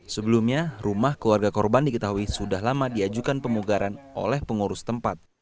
sebelumnya rumah keluarga korban diketahui sudah lama diajukan pemugaran oleh pengurus tempat